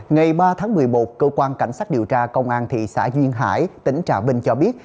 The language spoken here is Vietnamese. ngày ba tháng một mươi một cơ quan cảnh sát điều tra công an thị xã duyên hải tỉnh trà vinh cho biết